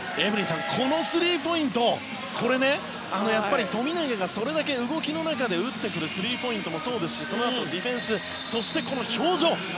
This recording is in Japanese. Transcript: このスリーポイントこれは富永がそれだけ動きの中で打ってくるスリーポイントもそうですしそのあとのディフェンスそして、この表情。